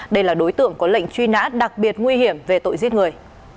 đây là đối tượng có lệnh truy nã đặc biệt nguy hiểm về tội giết người